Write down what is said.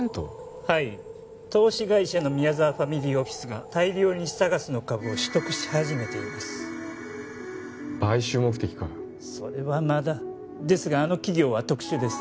はい投資会社の宮沢ファミリーオフィスが大量にＳＡＧＡＳの株を取得し始めています買収目的かそれはまだですがあの企業は特殊です